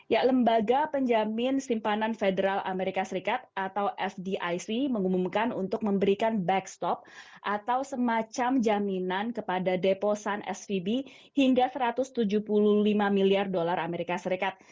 ya lembaga penjamin simpanan federal amerika serikat atau fdic mengumumkan untuk memberikan back stop atau semacam jaminan kepada deposan svb hingga satu ratus tujuh puluh lima miliar dolar amerika serikat